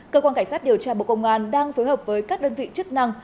cơ quan cảnh sát điều tra bộ công an đang phối hợp với các đơn vị chức năng